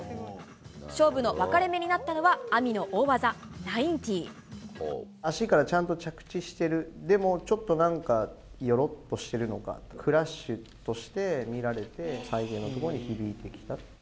勝負の分かれ目になったのは、足からちゃんと着地してる、でも、ちょっとなんか、よろっとしているのか、クラッシュとして見られて、採点のところに響いてきたと。